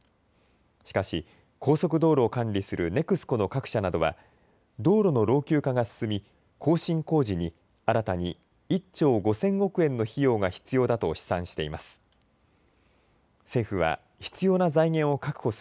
しかし高速道路を管理するＮＥＸＣＯの各社などは道路の老朽化が進み更新工事に新たに１兆５０００億円の費用が必要だと試算しています。